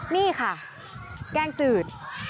นี่ค่ะแกงจืด